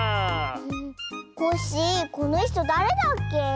コッシーこのひとだれだっけ？